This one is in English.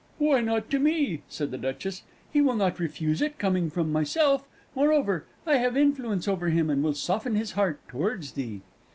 "Why not to Me?" said the Duchess. "He will not refuse it coming from myself; moreover, I have influence over him and will soften his heart towards thee."